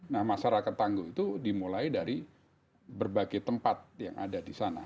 nah masyarakat tangguh itu dimulai dari berbagai tempat yang ada di sana